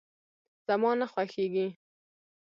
زما نه خوښيږي.